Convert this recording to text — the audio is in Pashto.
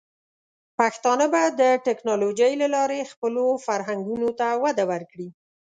پښتانه به د ټیکنالوجۍ له لارې خپلو فرهنګونو ته وده ورکړي.